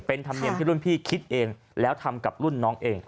เป็นธรรมเนียมที่รุ่นพี่คิดเองแล้วทำกับรุ่นน้องเอง